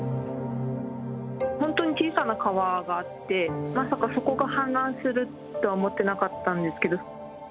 本当に小さな川があって、まさかそこが氾濫するとは思ってなかったんですけど。